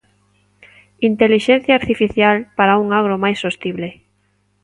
Intelixencia artificial para un agro máis sostible.